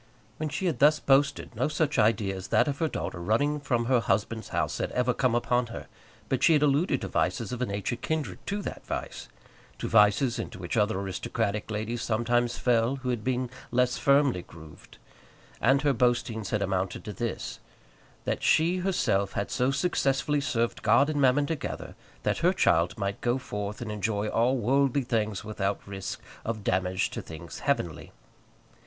When she had thus boasted no such idea as that of her daughter running from her husband's house had ever come upon her; but she had alluded to vices of a nature kindred to that vice, to vices into which other aristocratic ladies sometimes fell, who had been less firmly grooved; and her boastings had amounted to this, that she herself had so successfully served God and Mammon together, that her child might go forth and enjoy all worldly things without risk of damage to things heavenly.